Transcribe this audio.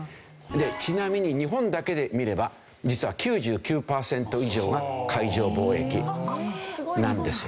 でちなみに日本だけで見れば実は９９パーセント以上が海上貿易なんですよ。